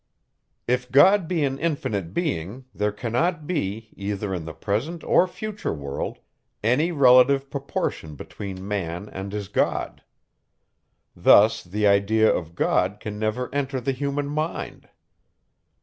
If God be an infinite being, there cannot be, either in the present or future world, any relative proportion between man and his God. Thus, the idea of God can never enter the human mind.